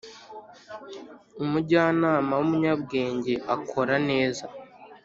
umujyanama w umunyabwenge akora neza